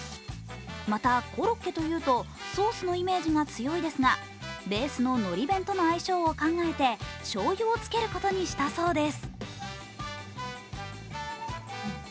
またコロッケというとソースのイメージが強いですがベースののり弁との相性を考えてしょうゆをつけることにしたそうです。